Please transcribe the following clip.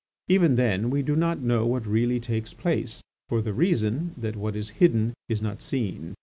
Even then we do not know what really takes place, for the reason that what is hidden is not seen.